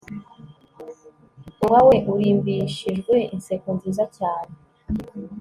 umunwa we urimbishijwe inseko nziza cyane